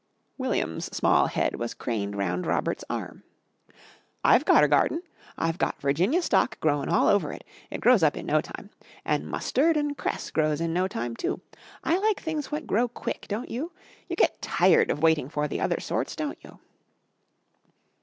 William's small head was craned round Robert's arm. "I've gotter garden. I've got Virginia Stock grow'n all over it. It grows up in no time. An' must'erd 'n cress grows in no time, too. I like things what grow quick, don't you? You get tired of waiting for the other sorts, don't you?"